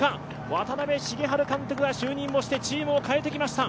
渡辺重治監督が就任をしてチームを変えてきました。